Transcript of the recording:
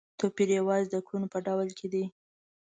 توپیر یوازې د کړنو په ډول کې دی.